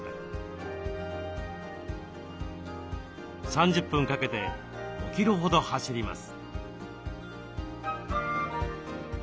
３０分かけて５キロほど走ります。